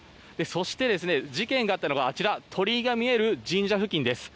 そして、事件があったのが鳥居が見える神社付近です。